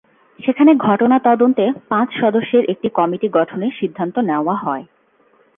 সেখানে ঘটনা তদন্তে পাঁচ সদস্যের একটি কমিটি গঠনের সিদ্ধান্ত নেওয়া হয়।